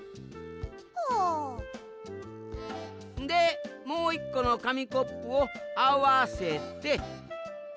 でもう１このかみコップをあわせて。